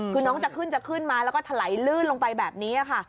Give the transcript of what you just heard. คือน้องจะขึ้นจะขึ้นมาแล้วก็ถลายลื่นลงไปแบบนี้ค่ะ